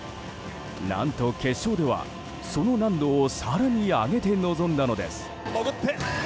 何と決勝では、その難度を更に上げて臨んだのです。